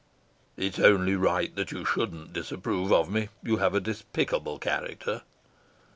"It's only right that you shouldn't disapprove of me. You have a despicable character."